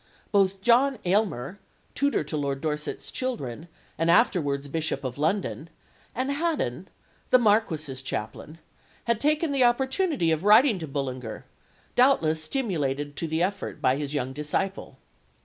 Both John Aylmer, tutor to Lord Dorset's children and afterwards Bishop of London, and Haddon, the Marquis's chaplain, had taken the opportunity of writing to Bullinger, doubtless stimulated to the effort by his young disciple.